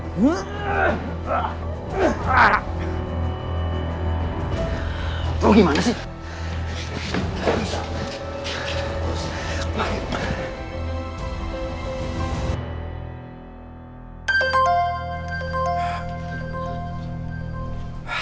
bawa kemana sih